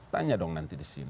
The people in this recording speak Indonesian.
tanya dong nanti di sini